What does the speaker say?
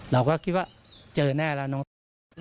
เราก็คิดว่าเจอแน่แล้วเนอะ